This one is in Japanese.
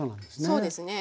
そうですね。